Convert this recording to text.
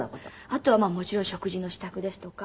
あとはもちろん食事の支度ですとか。